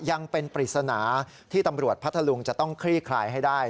ยังเป็นปริศนาที่ตำรวจพัทธลุงจะต้องคลี่คลายให้ได้